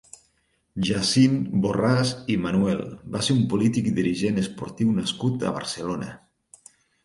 Jacint Borràs i Manuel va ser un polític i dirigent esportiu nascut a Barcelona.